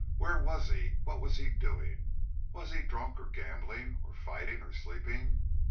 Where was he? What was he doing? Was he drunk or gambling or fighting or sleeping?